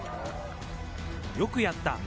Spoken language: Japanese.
よくやった！